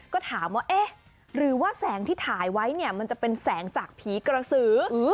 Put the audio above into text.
ก็ถามว่าเอ๊ะหรือว่าแสงที่ถ่ายไว้เนี่ยมันจะเป็นแสงจากผีกระสือ